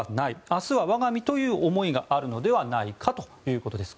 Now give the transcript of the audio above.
明日は我が身という思いがあるのではないかということです。